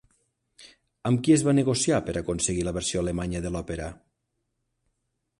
Amb qui es va negociar per aconseguir la versió alemanya de l'òpera?